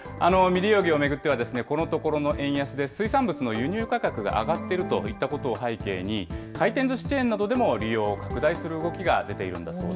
未利用魚を巡っては、このところの円安で、水産物の輸入価格が上がっているといったことを背景に、回転ずしチェーンなどでも利用を拡大する動きが出ているんだそう